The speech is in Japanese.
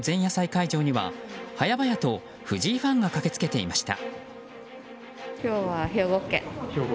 会場には早々と藤井ファンが駆けつけていました。